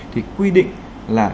thì quy định là